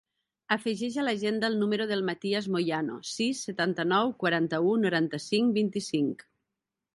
Afegeix a l'agenda el número del Matías Moyano: sis, setanta-nou, quaranta-u, noranta-cinc, vint-i-cinc.